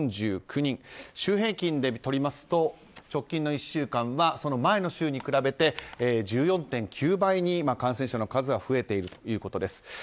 週平均でとりますと直近の１週間は前の週と比べて１４．９倍に感染者の数が増えているということです。